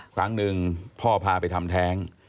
ครั้งหนึ่งพ่อพาไปทำแท้ง